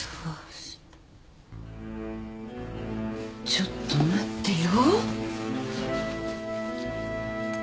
ちょっと待ってよ。